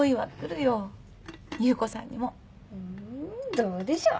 どうでしょう。